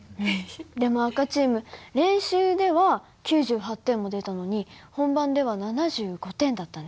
でも赤チーム練習では９８点も出たのに本番では７５点だったね。